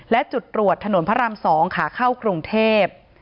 และจุดตรวจถนนพระราม๒ขาเข้ากรุงเทพ